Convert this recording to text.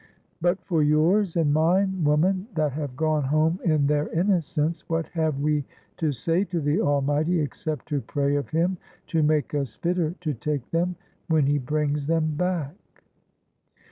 But for yours and mine, woman, that have gone home in their innocence, what have we to say to the Almighty, except to pray of Him to make us fitter to take them when He brings them back?"